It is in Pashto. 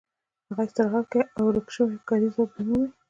هغه استراحت کوي او ورک شوی کاري ځواک بیا مومي